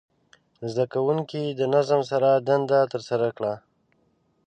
زده کوونکي د نظم سره دنده ترسره کړه.